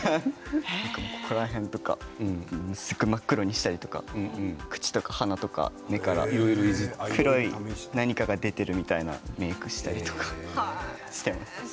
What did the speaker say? すごく真っ黒にしたりとか口とか鼻とか目とか黒い何かが出ているみたいなメークをしたりしています。